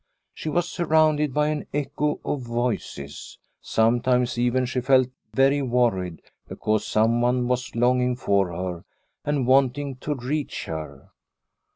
She was surrounded by an echo of voices ; sometimes even she felt very worried because someone was longing for her and wanting to reach her.